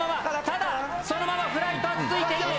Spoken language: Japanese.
ただそのままフライトは続いている。